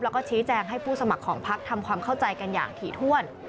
แล้วก็ชี้แจงให้ผู้สมัครของพักทำความเข้าใจกันอย่างถี่ถ้วน